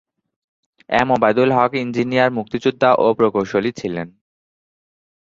M Obaidul Haque engineer মুক্তিযোদ্ধা ও প্রকৌশলী ছিলেন।